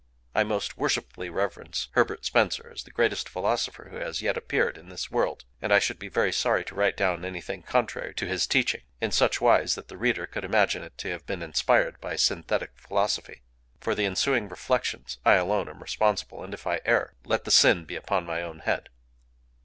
I most worshipfully reverence Herbert Spencer as the greatest philosopher who has yet appeared in this world; and I should be very sorry to write down anything contrary to his teaching, in such wise that the reader could imagine it to have been inspired by Synthetic Philosophy. For the ensuing reflections, I alone am responsible; and if I err, let the sin be upon my own head.